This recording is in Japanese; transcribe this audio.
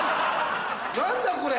何だこれ？